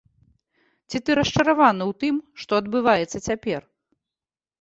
Ці ты расчараваны ў тым, што адбываецца цяпер?